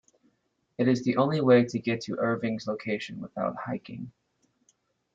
It is the only way to get to Erving's Location without hiking.